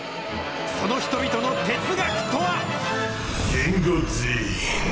その人々の哲学とは。